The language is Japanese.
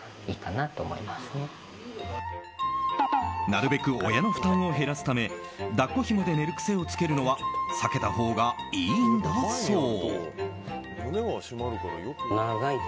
なるべく親の負担を減らすため抱っこひもで寝る癖をつけるのは避けたほうがいいんだそう。